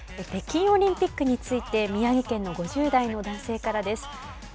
北京オリンピックについて、宮城県の５０代の男性からです。